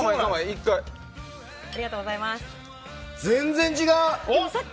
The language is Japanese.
全然違う！